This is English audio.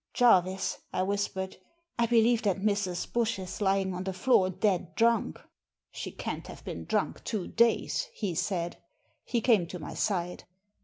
' Jarvis,' I whispered, *I believe that Mrs. Bush is lying on the floor dead drunk.' 'She can't have been drunk two days,' he said. He came to my side.